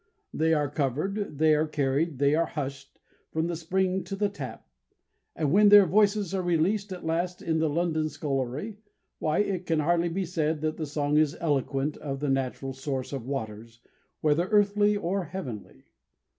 They are covered, they are carried, they are hushed, from the spring to the tap; and when their voices are released at last in the London scullery, why, it can hardly be said that the song is eloquent of the natural source of waters, whether earthly or heavenly.